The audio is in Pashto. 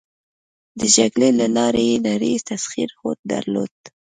د جګړې له لارې یې نړی تسخیر هوډ درلود.